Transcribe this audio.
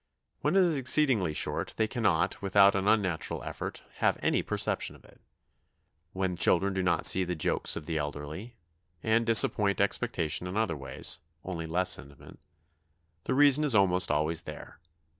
When it is exceedingly short they cannot, without an unnatural effort, have any perception of it. When children do not see the jokes of the elderly, and disappoint expectation in other ways, only less intimate, the reason is almost always there.